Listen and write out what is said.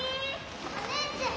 お姉ちゃん！